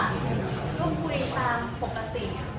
ร่วมคุยตามปกติ